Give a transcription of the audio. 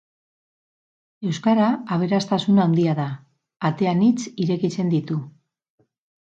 Euskara aberasatun handia da, ate anitz irekitzen ditu.